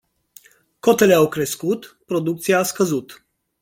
Cotele au crescut, producția a scăzut.